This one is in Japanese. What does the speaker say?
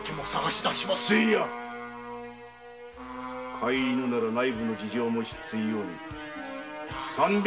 飼い犬なら内部の事情も知っていように。